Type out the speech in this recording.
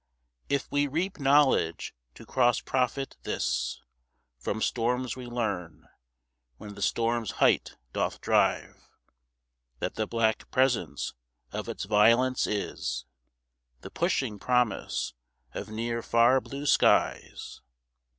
If we reap knowledge to cross profit, this From storms we learn, when the storm's height doth drive— That the black presence of its violence is The pushing promise of near far blue skies.